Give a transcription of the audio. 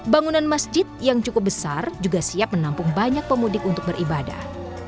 bangunan masjid yang cukup besar juga siap menampung banyak pemudik untuk beribadah